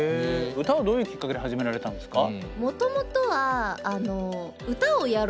歌はどういうきっかけで始められたんですか？